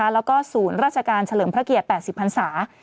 แล้วก็ศูนย์ราชการเฉลิมพระเกียรติ๘๐พันศา